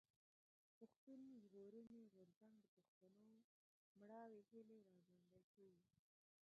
پښتون ژغورني غورځنګ د پښتنو مړاوي هيلې را ژوندۍ کړې.